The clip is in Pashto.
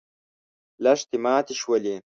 لښتې ماتې شولې.